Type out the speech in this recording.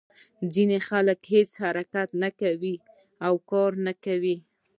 ځینې خلک هېڅ حرکت نه کوي او کار نه کوي.